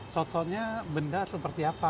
cocoknya benda seperti apa